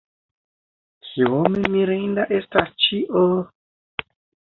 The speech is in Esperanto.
Kiom mirinda estas ĉio!